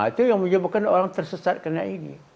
itu yang menyebabkan orang tersesat karena ini